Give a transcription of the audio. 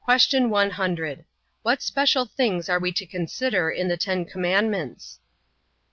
100. What special things are we to consider in the Ten Commandments?